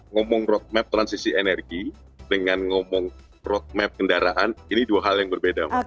ngomongin roadmap transisi energi dengan ngomongin roadmap kendaraan ini dua hal yang berbeda mbak